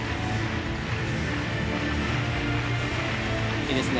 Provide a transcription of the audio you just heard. いいですね。